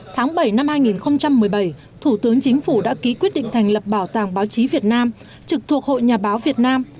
tháng bảy năm hai nghìn một mươi bảy thủ tướng chính phủ đã ký quyết định thành lập bảo tàng báo chí việt nam trực thuộc hội nhà báo việt nam